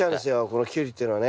このキュウリっていうのはね。